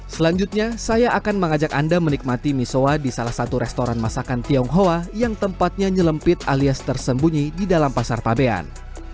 selanjutnya saya akan mengajak anda menikmati misoa di salah satu restoran masakan tionghoa yang tempatnya nyelempit alias tersembunyi di dalam pasar pabean